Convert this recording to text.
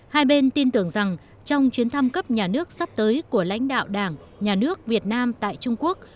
hai bên tin tưởng rằng trong chuyến thăm cấp nhà nước sắp tới của lãnh đạo đảng nhà nước việt nam tại trung quốc